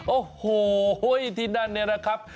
โอ้โหที่นั่นเนี่ยนะครับ